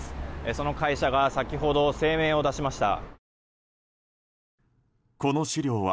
その会社が先ほど声明を出しました。